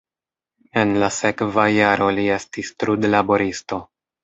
En la sekva jaro li estis trudlaboristo.